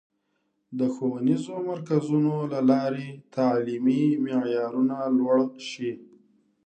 د ښوونیزو مرکزونو له لارې تعلیمي معیارونه لوړ شي.